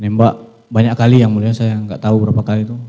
nembak banyak kali yang mulia saya nggak tahu berapa kali itu